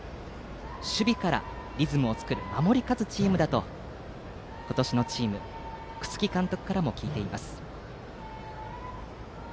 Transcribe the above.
守備からリズムを作る守り勝つチームだと今年のチーム楠城監督からも聞いています。